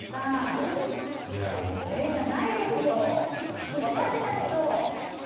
えっ！じゃないですよ。分かってたでしょ。